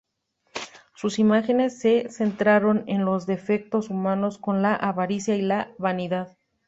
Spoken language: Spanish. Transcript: Sus imágenes se centraron en los defectos humanos como la avaricia y la vanidad.